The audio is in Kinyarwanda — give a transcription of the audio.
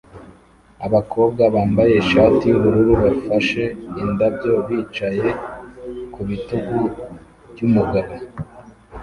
Abakobwa bambaye ishati yubururu bafashe indabyo bicaye ku bitugu byumugabo